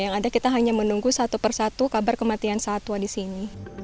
yang ada kita hanya menunggu satu persatu kabar kematian satwa di sini